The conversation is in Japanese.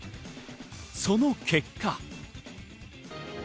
その結果。